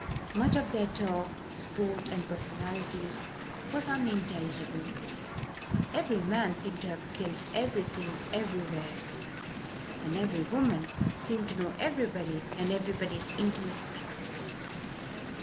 Much of their talk, sport and personalities, was unintelligible; every man seemed to have killed everything everywhere and every woman seemed to know everybody and everybody's intimate secrets.